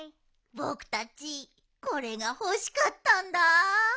ぼくたちこれがほしかったんだ。